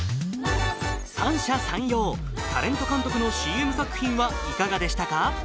三者三様タレント監督のＣＭ作品はいかがでしたか？